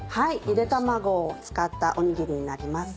ゆで卵を使ったおにぎりになります。